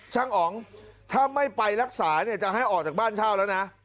อ๋องถ้าไม่ไปรักษาเนี่ยจะให้ออกจากบ้านเช่าแล้วนะ